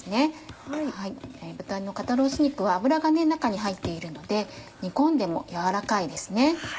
ロース肉は脂が中に入っているので煮込んでも軟らかいですね。